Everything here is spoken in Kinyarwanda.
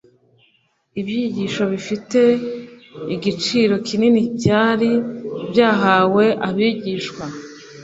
Ibyigisho bifite igiciro kinini byari byahawe abigishwa.